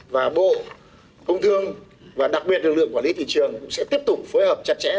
và bộ công thương và đặc biệt lực lượng quản lý thị trường cũng sẽ tiếp tục phối hợp chặt chẽ